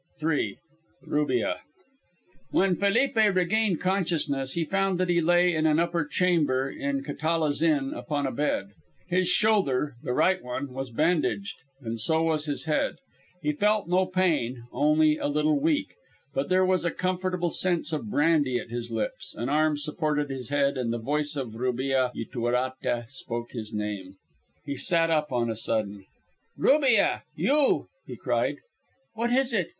III. RUBIA When Felipe regained consciousness he found that he lay in an upper chamber of Catala's inn upon a bed. His shoulder, the right one, was bandaged, and so was his head. He felt no pain, only a little weak, but there was a comfortable sense of brandy at his lips, an arm supported his head, and the voice of Rubia Ytuerate spoke his name. He sat up on a sudden. "Rubia, you!" he cried. "What is it?